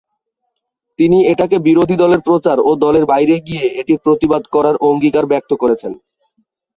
তিনি এটাকে বিরোধী দলের প্রচার ও দলের বাইরে গিয়ে এটির প্রতিবাদ করার অঙ্গীকার ব্যক্ত করেছেন।